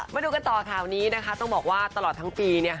มาดูกันต่อข่าวนี้นะคะต้องบอกว่าตลอดทั้งปี